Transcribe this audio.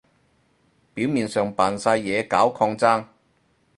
表面上扮晒嘢搞抗爭